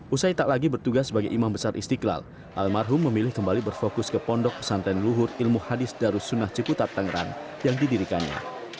usai tak lagi bertugas sebagai imam besar istiqlal al marhum memilih kembali berfokus ke pondok pesantren luhur ilmu hadis darussalimah cikuta tangeran yang didirikannya